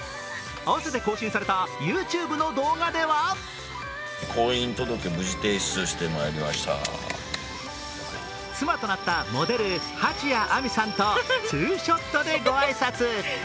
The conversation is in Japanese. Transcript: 合わせて更新されたＹｏｕＴｕｂｅの動画では妻となったモデル・蜂谷晏海さんとツーショットでご挨拶。